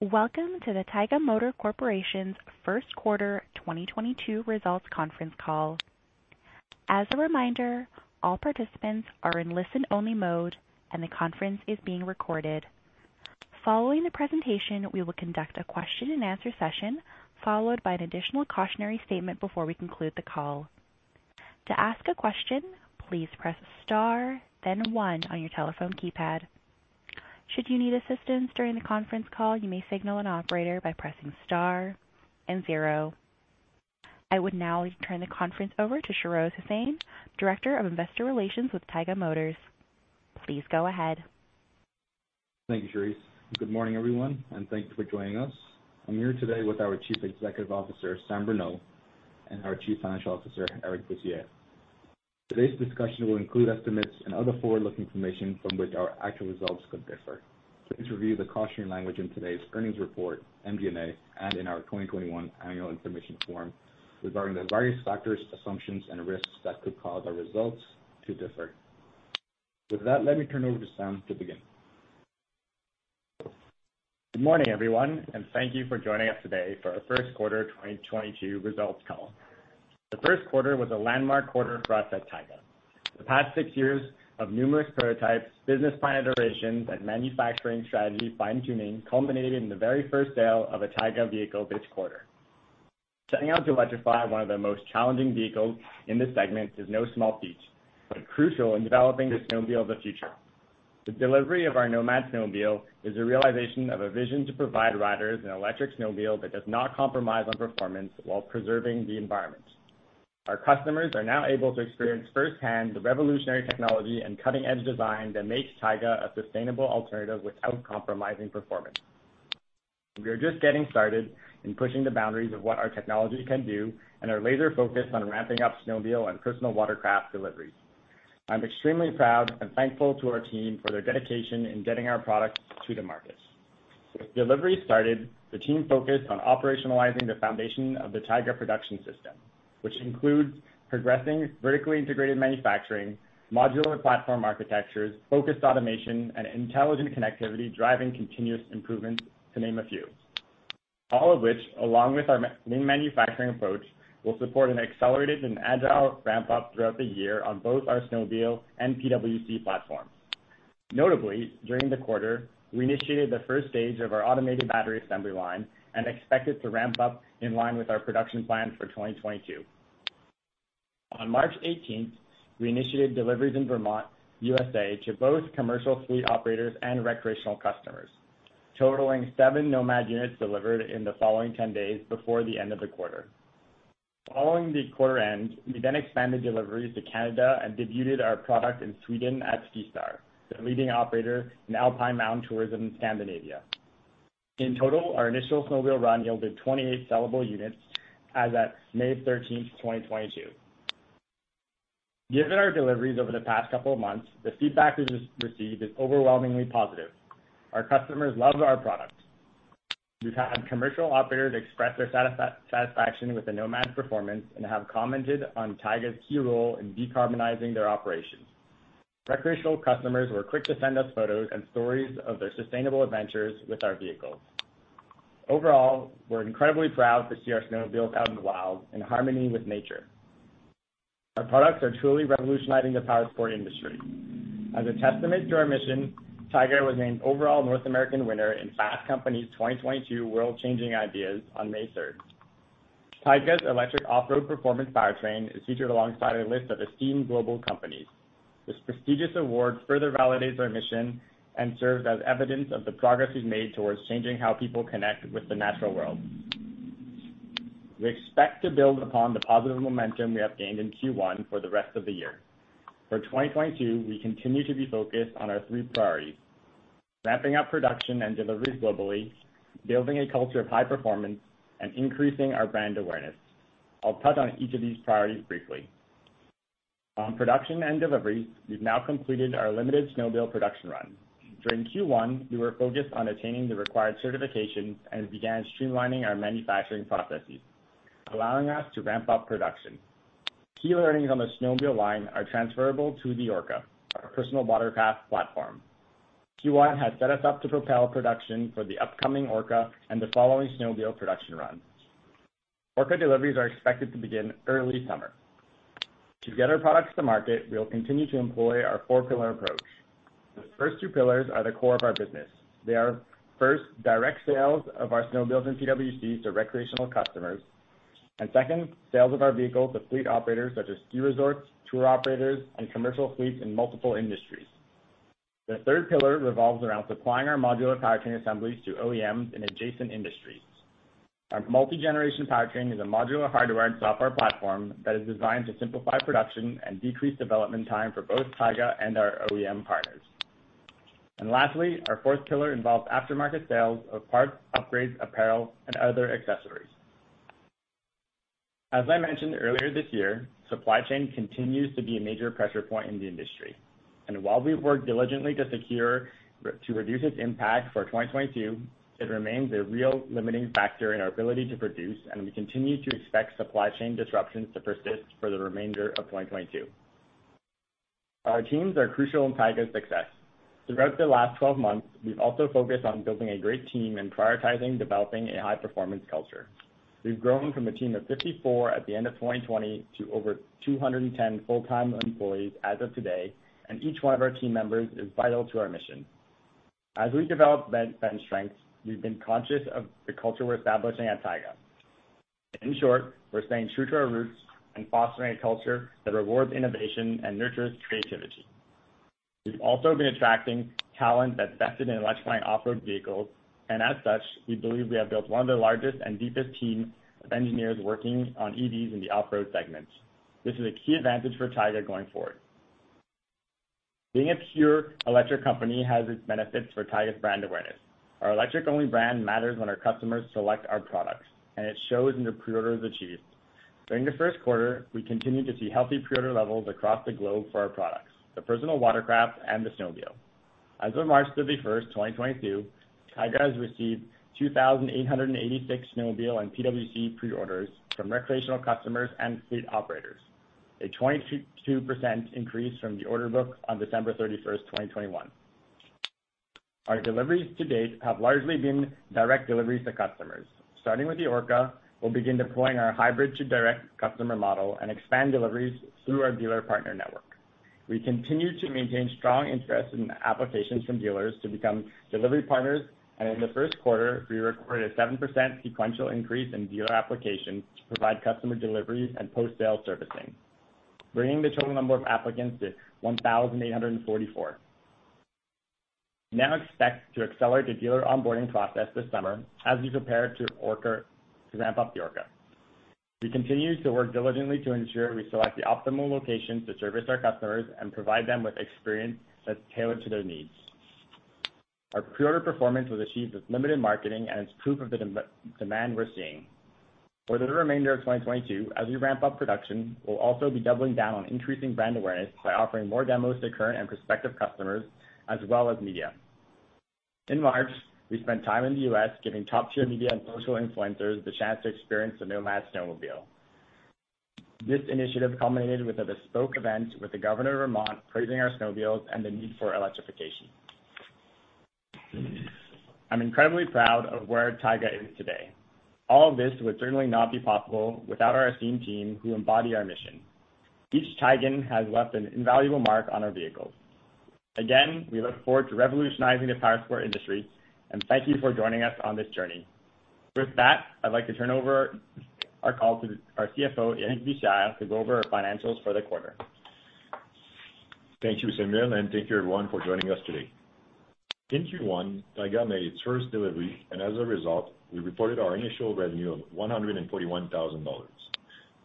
Welcome to the Taiga Motors Corporation's First Quarter 2022 Results Conference Call. As a reminder, all participants are in listen-only mode and the conference is being recorded. Following the presentation, we will conduct a question and answer session, followed by an additional cautionary statement before we conclude the call. To ask a question, please press star, then one on your telephone keypad. Should you need assistance during the conference call, you may signal an operator by pressing star and zero. I would now turn the conference over to Shahroz Hussain, Director of Investor Relations with Taiga Motors. Please go ahead. Thank you, Charisse. Good morning, everyone, and thank you for joining us. I'm here today with our Chief Executive Officer, Sam Bruneau, and our Chief Financial Officer, Eric Bussières. Today's discussion will include estimates and other forward-looking information from which our actual results could differ. Please review the cautionary language in today's earnings report, MD&A, and in our 2021 annual information form regarding the various factors, assumptions, and risks that could cause our results to differ. With that, let me turn over to Sam to begin. Good morning, everyone, and thank you for joining us today for our first quarter 2022 results call. The first quarter was a landmark quarter for us at Taiga. The past six years of numerous prototypes, business plan iterations, and manufacturing strategy fine-tuning culminated in the very first sale of a Taiga vehicle this quarter. Setting out to electrify one of the most challenging vehicles in this segment is no small feat, but crucial in developing the snowmobile of the future. The delivery of our Nomad snowmobile is a realization of a vision to provide riders an electric snowmobile that does not compromise on performance while preserving the environment. Our customers are now able to experience firsthand the revolutionary technology and cutting-edge design that makes Taiga a sustainable alternative without compromising performance. We are just getting started in pushing the boundaries of what our technology can do and are laser-focused on ramping up snowmobile and personal watercraft deliveries. I'm extremely proud and thankful to our team for their dedication in getting our product to the market. With delivery started, the team focused on operationalizing the foundation of the Taiga production system, which includes progressing vertically integrated manufacturing, modular platform architectures, focused automation, and intelligent connectivity driving continuous improvements, to name a few. All of which, along with our main manufacturing approach, will support an accelerated and agile ramp-up throughout the year on both our snowmobile and PWC platforms. Notably, during the quarter, we initiated the first stage of our automated battery assembly line and expect it to ramp up in line with our production plan for 2022. On March 18, we initiated deliveries in Vermont, U.S.A. to both commercial fleet operators and recreational customers, totaling seven Nomad units delivered in the following 10 days before the end of the quarter. Following the quarter end, we expanded deliveries to Canada and debuted our product in Sweden at SkiStar, the leading operator in Alpine mountain tourism in Scandinavia. In total, our initial snowmobile run yielded 28 sellable units as at May 13, 2022. Given our deliveries over the past couple of months, the feedback we just received is overwhelmingly positive. Our customers love our products. We've had commercial operators express their satisfaction with the Nomad's performance and have commented on Taiga's key role in decarbonizing their operations. Recreational customers were quick to send us photos and stories of their sustainable adventures with our vehicles. Overall, we're incredibly proud to see our snowmobiles out in the wild in harmony with nature. Our products are truly revolutionizing the powersport industry. As a testament to our mission, Taiga was named overall North American winner in Fast Company’s 2022 World Changing Ideas on May third. Taiga's electric off-road performance powertrain is featured alongside a list of esteemed global companies. This prestigious award further validates our mission and serves as evidence of the progress we've made towards changing how people connect with the natural world. We expect to build upon the positive momentum we have gained in Q1 for the rest of the year. For 2022, we continue to be focused on our three priorities, ramping up production and deliveries globally, building a culture of high performance, and increasing our brand awareness. I'll touch on each of these priorities briefly. On production and delivery, we've now completed our limited snowmobile production run. During Q1, we were focused on attaining the required certifications and began streamlining our manufacturing processes, allowing us to ramp up production. Key learnings on the snowmobile line are transferable to the Orca, our personal watercraft platform. Q1 has set us up to propel production for the upcoming Orca and the following snowmobile production runs. Orca deliveries are expected to begin early summer. To get our products to market, we will continue to employ our four-pillar approach. The first two pillars are the core of our business. They are, first, direct sales of our snowmobiles and PWCs to recreational customers. Second, sales of our vehicles to fleet operators such as ski resorts, tour operators, and commercial fleets in multiple industries. The third pillar revolves around supplying our modular powertrain assemblies to OEMs in adjacent industries. Our multi-generation powertrain is a modular hardware and software platform that is designed to simplify production and decrease development time for both Taiga and our OEM partners. Lastly, our fourth pillar involves aftermarket sales of parts, upgrades, apparel, and other accessories. As I mentioned earlier this year, supply chain continues to be a major pressure point in the industry. While we've worked diligently to reduce its impact for 2022, it remains a real limiting factor in our ability to produce, and we continue to expect supply chain disruptions to persist for the remainder of 2022. Our teams are crucial in Taiga's success. Throughout the last 12 months, we've also focused on building a great team and prioritizing developing a high performance culture. We've grown from a team of 54 at the end of 2020 to over 210 full-time employees as of today, and each one of our team members is vital to our mission. As we develop that strength, we've been conscious of the culture we're establishing at Taiga. In short, we're staying true to our roots and fostering a culture that rewards innovation and nurtures creativity. We've also been attracting talent that's vested in electrifying off-road vehicles, and as such, we believe we have built one of the largest and deepest teams of engineers working on EVs in the off-road segments. This is a key advantage for Taiga going forward. Being a pure electric company has its benefits for Taiga's brand awareness. Our electric-only brand matters when our customers select our products, and it shows in the pre-orders achieved. During the first quarter, we continued to see healthy pre-order levels across the globe for our products, the personal watercraft and the snowmobile. As of March 31st, 2022, Taiga has received 2,886 snowmobile and PWC pre-orders from recreational customers and fleet operators, a 22% increase from the order book on December 31st, 2021. Our deliveries to date have largely been direct deliveries to customers. Starting with the Orca, we'll begin deploying our hybrid to direct customer model and expand deliveries through our dealer partner network. We continue to maintain strong interest in applications from dealers to become delivery partners, and in the first quarter, we recorded a 7% sequential increase in dealer applications to provide customer deliveries and post-sale servicing, bringing the total number of applicants to 1,844. We now expect to accelerate the dealer onboarding process this summer as we prepare to ramp up the Orca. We continue to work diligently to ensure we select the optimal locations to service our customers and provide them with experience that's tailored to their needs. Our pre-order performance was achieved with limited marketing and it's proof of the demand we're seeing. For the remainder of 2022, as we ramp up production, we'll also be doubling down on increasing brand awareness by offering more demos to current and prospective customers as well as media. In March, we spent time in the U.S. giving top-tier media and social influencers the chance to experience the Nomad snowmobile. This initiative culminated with a bespoke event with the governor of Vermont praising our snowmobiles and the need for electrification. I'm incredibly proud of where Taiga is today. All this would certainly not be possible without our esteemed team who embody our mission. Each Taigan has left an invaluable mark on our vehicles. Again, we look forward to revolutionizing the powersport industry, and thank you for joining us on this journey. With that, I'd like to turn over our call to our CFO, Eric Bussières, to go over our financials for the quarter. Thank you, Sam Bruneau, and thank you everyone for joining us today. In Q1, Taiga made its first delivery, and as a result, we reported our initial revenue of $141,000.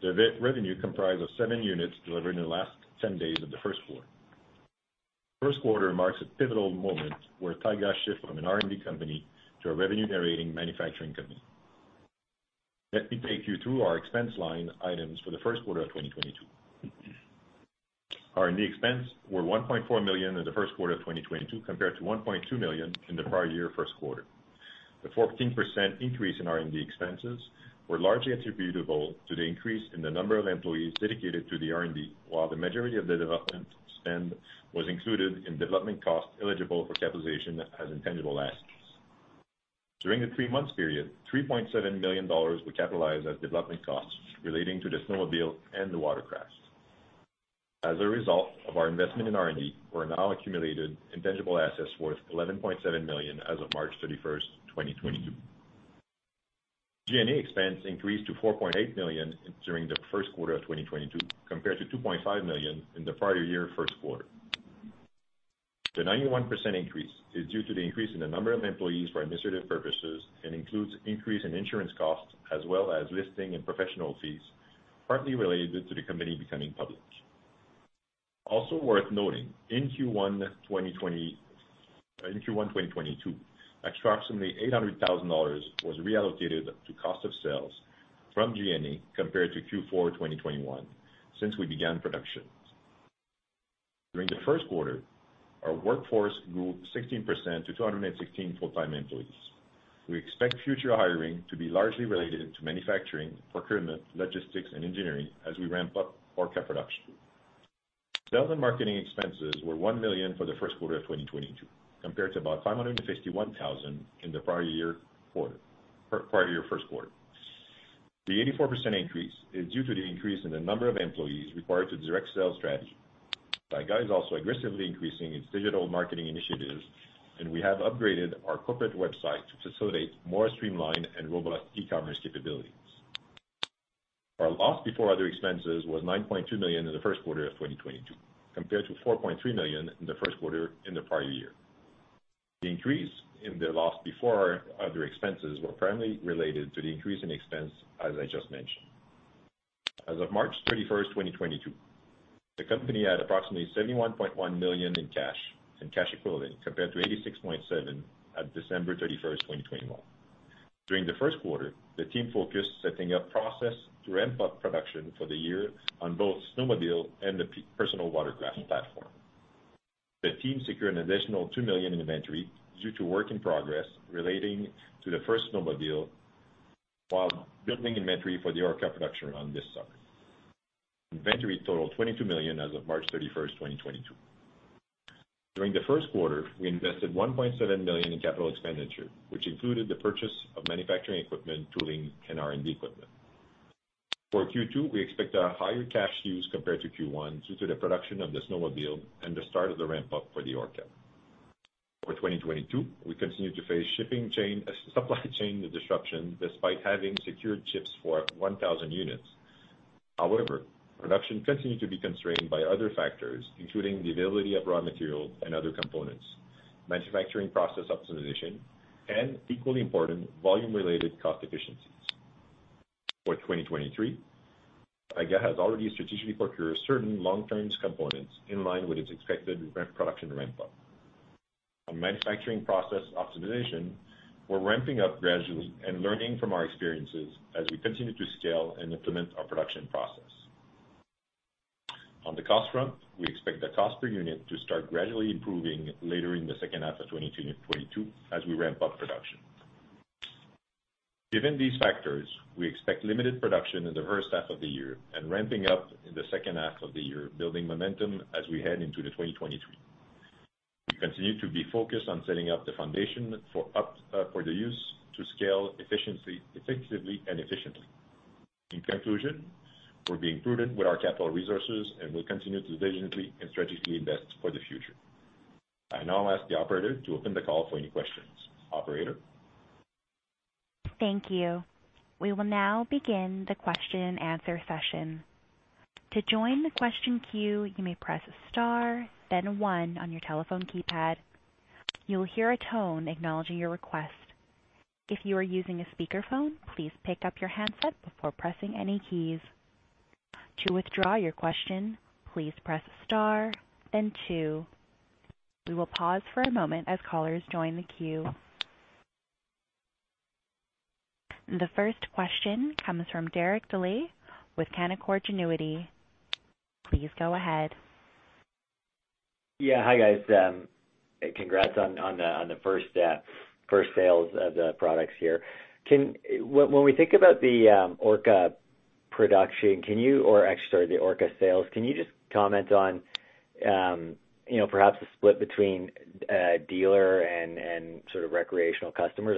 The revenue comprised of seven units delivered in the last 10 days of the first quarter. First quarter marks a pivotal moment where Taiga shifted from an R&D company to a revenue-generating manufacturing company. Let me take you through our expense line items for the first quarter of 2022. R&D expense were 1.4 million in the first quarter of 2022 compared to 1.2 million in the prior year first quarter. The 14% increase in R&D expenses were largely attributable to the increase in the number of employees dedicated to the R&D, while the majority of the development spend was included in development costs eligible for capitalization as intangible assets. During the three-month period, 3.7 million dollars were capitalized as development costs relating to the snowmobile and the watercraft. As a result of our investment in R&D, we now accumulated intangible assets worth 11.7 million as of March 31, 2022. G&A expense increased to 4.8 million during the first quarter of 2022 compared to 2.5 million in the prior year first quarter. The 91% increase is due to the increase in the number of employees for administrative purposes and includes increase in insurance costs as well as listing and professional fees, partly related to the company becoming public. Also worth noting, in Q1 2022, approximately 800 thousand dollars was reallocated to cost of sales from G&A compared to Q4 2021 since we began production. During the first quarter, our workforce grew 16% to 216 full-time employees. We expect future hiring to be largely related to manufacturing, procurement, logistics, and engineering as we ramp up our production. Sales and marketing expenses were 1 million for the first quarter of 2022 compared to about 551 thousand in the prior year first quarter. The 84% increase is due to the increase in the number of employees required to direct sales strategy. Taiga is also aggressively increasing its digital marketing initiatives, and we have upgraded our corporate website to facilitate more streamlined and robust e-commerce capabilities. Our loss before other expenses was 9.2 million in the first quarter of 2022, compared to 4.3 million in the first quarter in the prior year. The increase in the loss before other expenses were primarily related to the increase in expense, as I just mentioned. As of March 31, 2022, the company had approximately 71.1 million in cash and cash equivalent compared to 86.7 million at December 31, 2021. During the first quarter, the team focused setting up process to ramp up production for the year on both snowmobile and the personal watercraft platform. The team secured an additional 2 million in inventory due to work in progress relating to the first snowmobile while building inventory for the Orca production run this summer. Inventory totaled 22 million as of March 31, 2022. During the first quarter, we invested 1.7 million in capital expenditure, which included the purchase of manufacturing equipment, tooling, and R&D equipment. For Q2, we expect a higher cash use compared to Q1 due to the production of the snowmobile and the start of the ramp-up for the Orca. For 2022, we continue to face supply chain disruption despite having secured chips for 1,000 units. However, production continued to be constrained by other factors, including the availability of raw materials and other components, manufacturing process optimization, and equally important, volume-related cost efficiencies. For 2023, Taiga has already strategically procured certain long-term components in line with its expected production ramp-up. On manufacturing process optimization, we're ramping up gradually and learning from our experiences as we continue to scale and implement our production process. On the cost front, we expect the cost per unit to start gradually improving later in the second half of 2022 as we ramp up production. Given these factors, we expect limited production in the first half of the year and ramping up in the second half of the year, building momentum as we head into 2023. We continue to be focused on setting up the foundation for us to scale efficiently and effectively. In conclusion, we're being prudent with our capital resources, and we'll continue to diligently and strategically invest for the future. I now ask the operator to open the call for any questions. Operator? Thank you. We will now begin the question-and-answer session. To join the question queue, you may press star then one on your telephone keypad. You will hear a tone acknowledging your request. If you are using a speakerphone, please pick up your handset before pressing any keys. To withdraw your question, please press star then two. We will pause for a moment as callers join the queue. The first question comes from Derek Dley with Canaccord Genuity. Please go ahead. Yeah. Hi, guys. Congrats on the first sales of the products here. When we think about the Orca production, actually the Orca sales, can you just comment on perhaps the split between dealer and sort of recreational customers?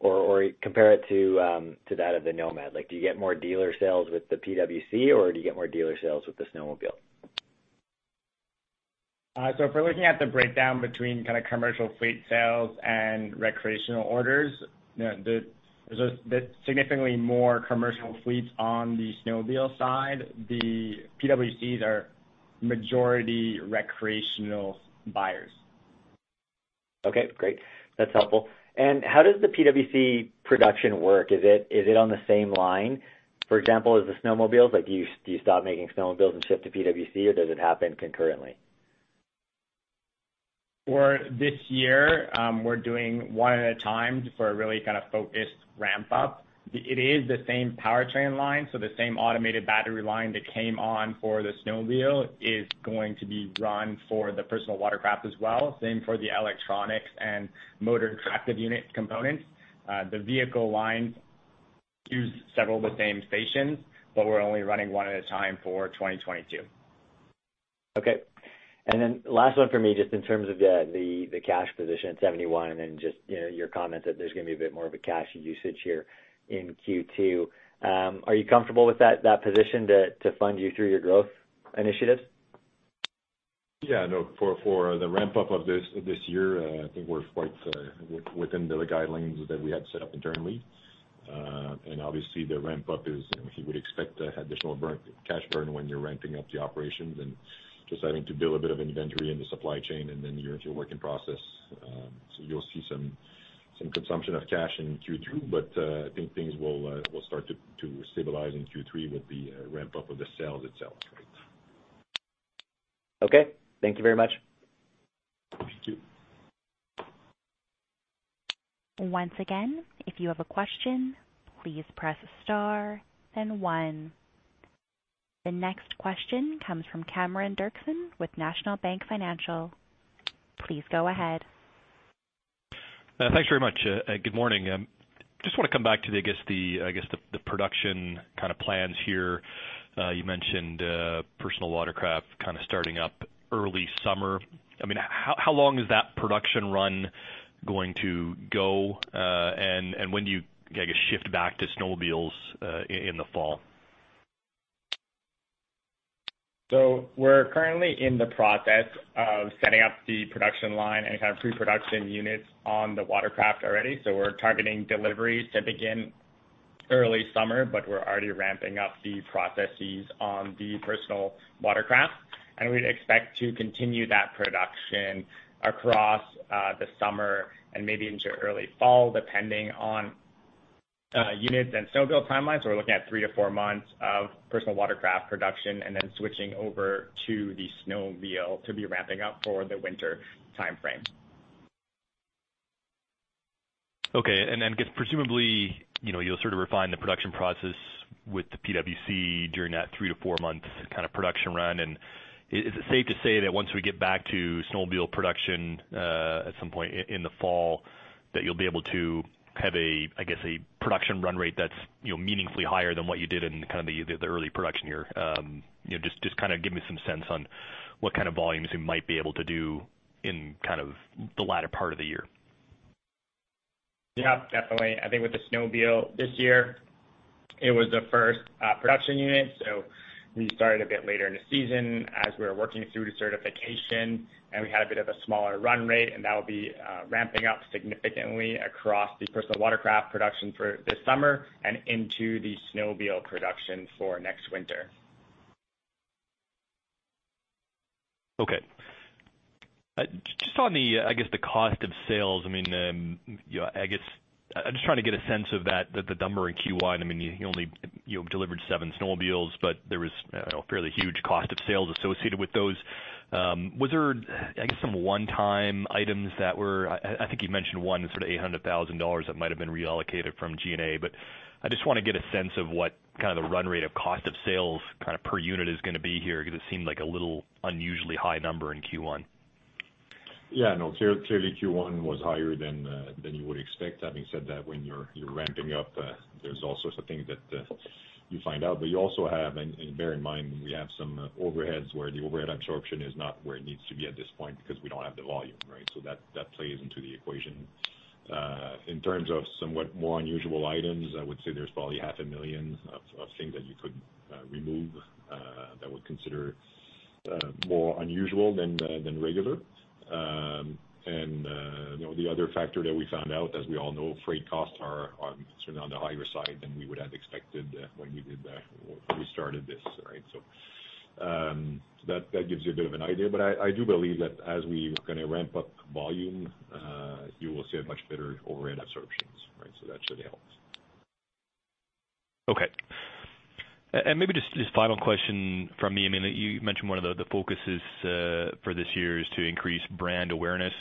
Or compare it to that of the Nomad. Like, do you get more dealer sales with the PWC, or do you get more dealer sales with the snowmobile? If we're looking at the breakdown between kinda commercial fleet sales and recreational orders, there's significantly more commercial fleets on the snowmobile side. The PWCs are majority recreational buyers. Okay, great. That's helpful. How does the PWC production work? Is it on the same line, for example, as the snowmobiles? Like, do you stop making snowmobiles and ship to PWC, or does it happen concurrently? For this year, we're doing one at a time for a really kind of focused ramp up. It is the same powertrain line, so the same automated battery line that came on for the snowmobile is going to be run for the personal watercraft as well, same for the electronics and motor Tractive Unit components. The vehicle lines use several of the same stations, but we're only running one at a time for 2022. Okay. Last one for me, just in terms of the cash position at 71 and then just your comment that there's gonna be a bit more of a cash usage here in Q2. Are you comfortable with that position to fund you through your growth initiatives? Yeah. No. For the ramp-up of this year, I think we're quite within the guidelines that we had set up internally. Obviously the ramp-up is you would expect additional cash burn when you're ramping up the operations and starting to build a bit of inventory in the supply chain and then your working process. You'll see some consumption of cash in Q2, but I think things will start to stabilize in Q3 with the ramp-up of the sales itself. Okay. Thank you very much. Thank you. Once again, if you have a question, please press star then one. The next question comes from Cameron Doerksen with National Bank Financial. Please go ahead. Thanks very much. Good morning. Just wanna come back to, I guess, the production kinda plans here. You mentioned personal watercraft kinda starting up early summer. I mean, how long is that production run going to go? When do you, I guess, shift back to snowmobiles in the fall? We're currently in the process of setting up the production line and kind of pre-production units on the watercraft already. We're targeting deliveries to begin early summer, but we're already ramping up the processes on the personal watercraft, and we'd expect to continue that production across the summer and maybe into early fall, depending on units and snowmobile timelines. We're looking at 3 months-4 months of personal watercraft production and then switching over to the snowmobile to be ramping up for the winter timeframe. Okay. Then, I guess presumably you'll sort of refine the production process with the PWC during that 3 months-4 month kind of production run. Is it safe to say that once we get back to snowmobile production, at some point in the fall that you'll be able to have a, I guess, a production run rate that's meaningfully higher than what you did in kind of the early production year? Just kind of give me some sense on what kind of volumes you might be able to do in kind of the latter part of the year. Yeah, definitely. I think with the snowmobile this year, it was the first production unit, so we started a bit later in the season as we were working through the certification and we had a bit of a smaller run rate and that will be ramping up significantly across the personal watercraft production for this summer and into the snowmobile production for next winter. Okay. Just on the cost of sales, I'm just trying to get a sense of that, the number in Q1. I mean, you only delivered 7 snowmobiles, but there was, I don't know, fairly huge cost of sales associated with those. Was there, I guess, some one-time items. I think you mentioned one that's sort of 800,000 dollars that might've been reallocated from G&A, but I just wanna get a sense of what kind of the run rate of cost of sales kind of per unit is gonna be here, 'cause it seemed like a little unusually high number in Q1. Yeah, no, clearly Q1 was higher than you would expect. Having said that, when you're ramping up, there's all sorts of things that you find out, but you also have. Bear in mind, we have some overheads where the overhead absorption is not where it needs to be at this point because we don't have the volume, right? That plays into the equation. In terms of somewhat more unusual items, I would say there's probably CAD half a million of things that you could remove that would consider more unusual than regular. The other factor that we found out, as we all know, freight costs are certainly on the higher side than we would have expected when we started this, right? That gives you a bit of an idea. I do believe that as we kind of ramp up volume, you will see a much better overhead absorptions, right? That should help. Okay. Maybe just final question from me. I mean, you mentioned one of the focuses for this year is to increase brand awareness.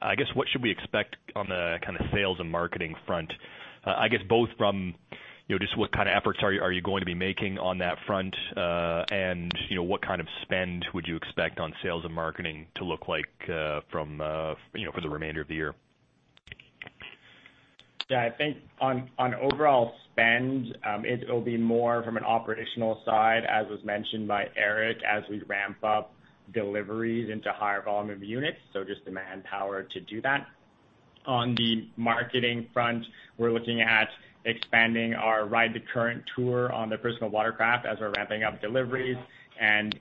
I guess what should we expect on the kind of sales and marketing front? I guess both from just what kind of efforts are you going to be making on that front? And what kind of spend would you expect on sales and marketing to look like, for the remainder of the year? Yeah, I think on overall spend, it'll be more from an operational side, as was mentioned by Eric, as we ramp up deliveries into higher volume of units, so just the manpower to do that. On the marketing front, we're looking at expanding our Ride the Current Tour on the personal watercraft as we're ramping up deliveries and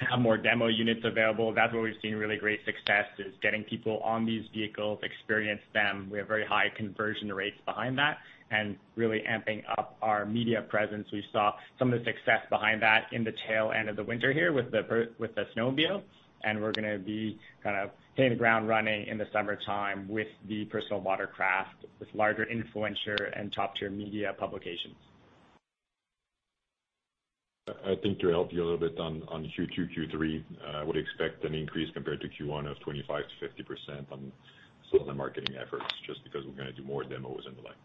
have more demo units available. That's where we've seen really great success, is getting people on these vehicles, experience them. We have very high conversion rates behind that and really amping up our media presence. We saw some of the success behind that in the tail end of the winter here with the snowmobile, and we're gonna be kind of hitting the ground running in the summertime with the personal watercraft, with larger influencer and top-tier media publications. I think to help you a little bit on Q2, Q3, I would expect an increase compared to Q1 of 25%-50% on sales and marketing efforts just because we're gonna do more demos and the likes.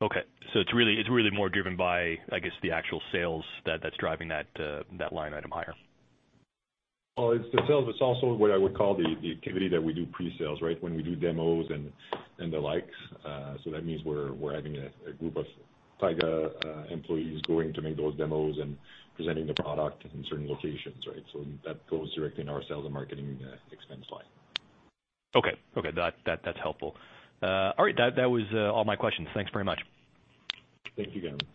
Okay. It's really more driven by, I guess, the actual sales that's driving that line item higher. Well, it's the sales. It's also what I would call the activity that we do pre-sales, right? When we do demos and the like. That means we're having a group of Taiga employees going to make those demos and presenting the product in certain locations, right? That goes directly in our sales and marketing expense line. Okay. That's helpful. All right, that was all my questions. Thanks very much. Thank you, Cameron Doerksen.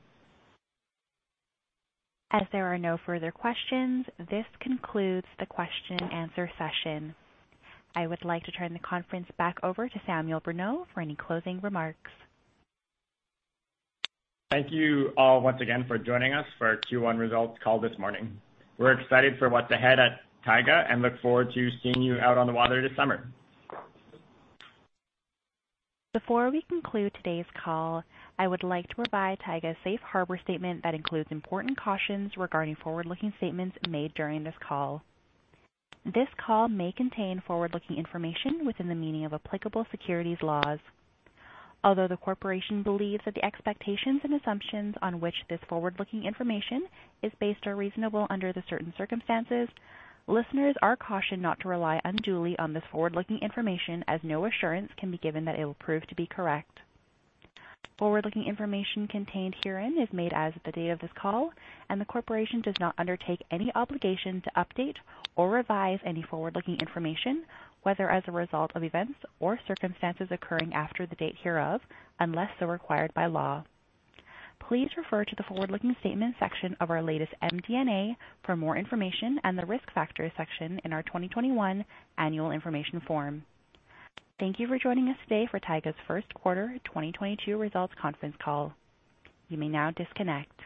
As there are no further questions, this concludes the question and answer session. I would like to turn the conference back over to Samuel Bruneau for any closing remarks. Thank you all once again for joining us for our Q1 results call this morning. We're excited for what's ahead at Taiga and look forward to seeing you out on the water this summer. Before we conclude today's call, I would like to provide Taiga's Safe Harbor statement that includes important cautions regarding forward-looking statements made during this call. This call may contain forward-looking information within the meaning of applicable securities laws. Although the corporation believes that the expectations and assumptions on which this forward-looking information is based are reasonable under the current circumstances, listeners are cautioned not to rely unduly on this forward-looking information, as no assurance can be given that it will prove to be correct. Forward-looking information contained herein is made as of the date of this call, and the corporation does not undertake any obligation to update or revise any forward-looking information, whether as a result of events or circumstances occurring after the date hereof, unless so required by law. Please refer to the Forward-Looking Statements section of our latest MD&A for more information and the Risk Factors section in our 2021 Annual Information Form. Thank you for joining us today for Taiga's first quarter 2022 results conference call. You may now disconnect.